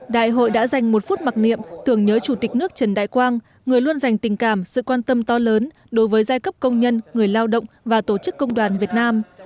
đại hội đã dành một phút mặc niệm tưởng nhớ chủ tịch nước trần đại quang người luôn dành tình cảm sự quan tâm to lớn đối với giai cấp công nhân người lao động và tổ chức công đoàn việt nam